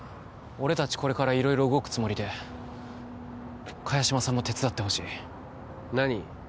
俺達これから色々動くつもりで萱島さんも手伝ってほしい何？